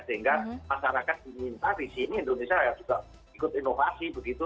sehingga masyarakat diminta di sini indonesia juga ikut inovasi begitu